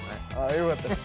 よかったです。